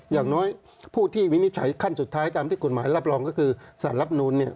อย่างน้อยผู้ที่วินิจฉัยขั้นสุดท้ายตามที่กฎหมายรับรองก็คือสารรับนูนเนี่ย